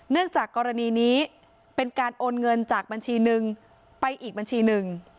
จากกรณีนี้เป็นการโอนเงินจากบัญชีหนึ่งไปอีกบัญชีหนึ่ง